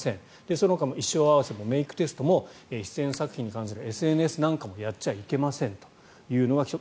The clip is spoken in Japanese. そのほかの衣装合わせもメイクテストも出演作品に関するＳＮＳなんかもやっちゃいけませんというのが来た。